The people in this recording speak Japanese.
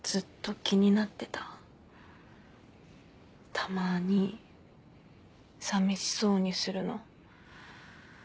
たまにさみしそうにするの。